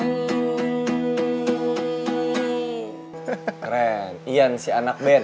keren ian si anak band